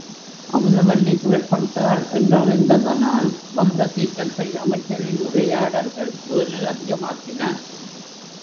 அமுதவல்லி சிறைப்பட்டாள் என்றறிந்ததனால் வந்த சீற்றத்தை அமைச்சரின் உரையாடல்கள் வேறு அதிகமாக்கின.